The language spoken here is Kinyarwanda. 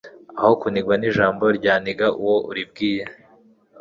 aho kuniganwa ijambo ryaniga uwo uribwiye